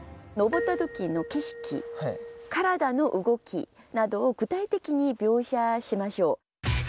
登った時の景色体の動きなどを具体的に描写しましょう。